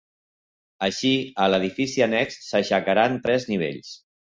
Així, a l'edifici annex s'aixecaren tres nivells.